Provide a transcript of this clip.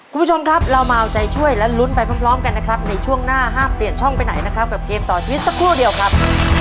คุณผู้ชมครับเรามาเอาใจช่วยและลุ้นไปพร้อมกันนะครับในช่วงหน้าห้ามเปลี่ยนช่องไปไหนนะครับกับเกมต่อชีวิตสักครู่เดียวครับ